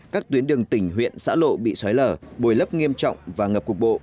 các tuyến đường tỉnh huyện xã lộ bị xoáy lở bồi lấp nghiêm trọng và ngập cuộc bộ